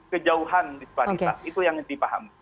kejauhan disparitas itu yang dipahami